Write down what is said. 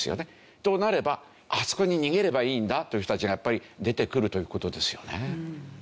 となればあそこに逃げればいいんだという人たちがやっぱり出てくるという事ですよね。